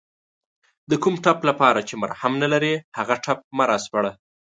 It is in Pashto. د کوم ټپ لپاره چې مرهم نلرې هغه ټپ مه راسپړه